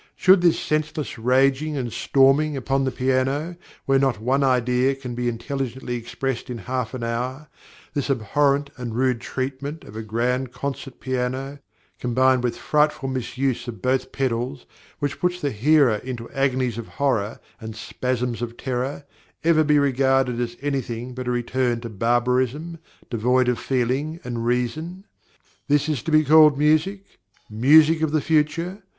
Should this senseless raging and storming upon the piano, where not one idea can be intelligently expressed in a half hour, this abhorrent and rude treatment of a grand concert piano, combined with frightful misuse of both pedals, which puts the hearer into agonies of horror and spasms of terror, ever be regarded as any thing but a return to barbarism, devoid of feeling and reason? This is to be called music! music of the future!